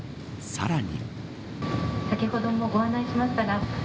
さらに。